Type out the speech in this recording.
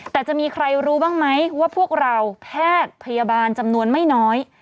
แต่จะมีใครรู้บ้างไหมว่าพวกเราแพทย์พยาบาลจำนวนไม่น้อย